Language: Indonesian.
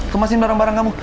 kemasin barang barang kamu